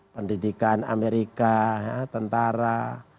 pendidikan amerika tentara